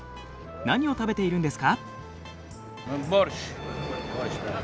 何を食べているんですか？